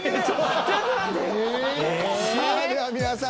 さあでは皆さん。